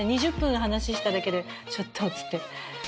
２０分話しただけで「ちょっと」っつって。